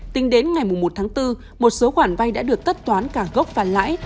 tính đến ngày một tháng bốn một số khoản vay đã được tất toán cả gốc và lãi